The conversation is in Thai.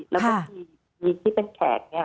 แล้วก็ที่เป็นแขกเนี่ย